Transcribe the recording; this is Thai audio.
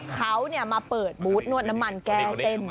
เขามาเปิดบูธนวดน้ำมันแก้เส้น